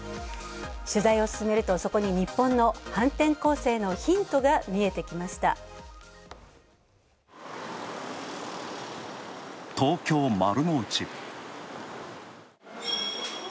取材を進めると、そこに日本の反転攻勢のヒントが見えてきました東京・丸の内。